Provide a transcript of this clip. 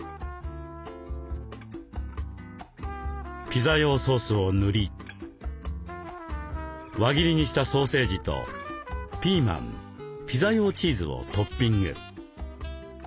ピザ用ソースを塗り輪切りにしたソーセージとピーマンピザ用チーズをトッピング。